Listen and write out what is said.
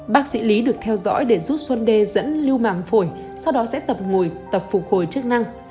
bác sĩ lý được theo dõi để rút xuân đê dẫn lưu màng phổi sau đó sẽ tập ngồi tập phục hồi chức năng